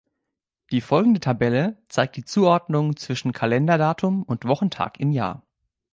Die folgende Tabelle zeigt die Zuordnung zwischen Kalender-Datum und Wochentag im Jahr.